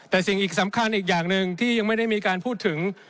แต่สิ่งอีกสำคัญอีกอย่างหนึ่งที่ยังไม่ได้มีการพูดถึง